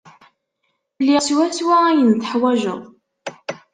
Liɣ swaswa ayen ay teḥwajed.